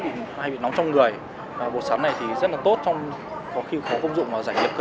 bị hay bị nóng trong người và bột sắn này thì rất là tốt trong có khi có công dụng và giải nghiệm cơ